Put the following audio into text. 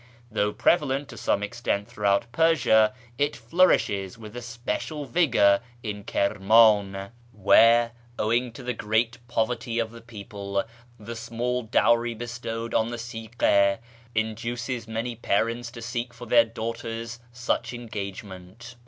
Though prevalent to some extent throughout Persia, it flourishes with especial vigour in Kirman, where, owing to the great poverty of the people, the small dowry bestowed on the sigha induces many parents to seek for their daughters such engage ment.